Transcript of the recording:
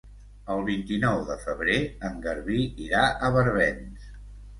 El vint-i-nou de febrer en Garbí irà a Barbens.